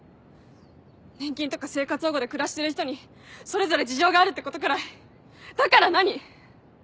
年金とか生活保護で暮らしてる人にそれぞれ事情があるってことくらいだから何？